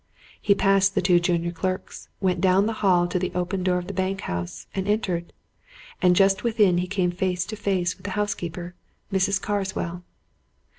He passed the two junior clerks, went down the hall to the door of the bank house, and entered. And just within he came face to face with the housekeeper, Mrs. Carswell.